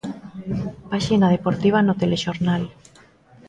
Paxina deportiva no telexornal.